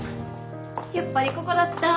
やっぱりここだった。